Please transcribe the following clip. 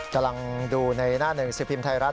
กำลังดูในหน้าหนึ่งสิบพิมพ์ไทยรัฐ